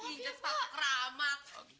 inget sepatu keramat